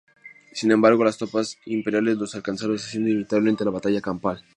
Sin embargo, las tropas imperiales los alcanzaron, haciendo inevitable la batalla campal.